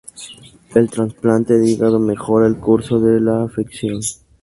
El trasplante de hígado mejora el curso de la afección.